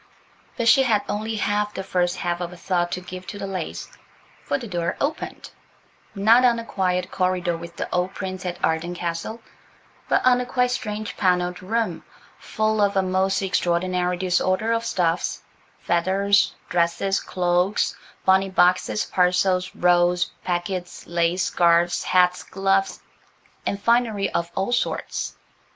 But she had only half the first half of a thought to give to the lace–for the door opened, not on the quiet corridor with the old prints at Arden Castle, but on a quite strange panelled room, full of a most extraordinary disorder of stuffs–feathers, dresses, cloaks, bonnet boxes, parcels, rolls, packets, lace, scarves, hats, gloves, and finery of all sorts.